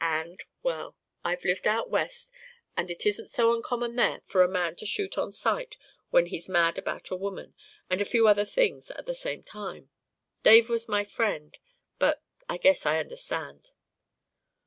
And well, I've lived out West and it isn't so uncommon there for a man to shoot on sight when he's mad about a woman and a few other things at the same time. Dave was my friend, but I guess I understand."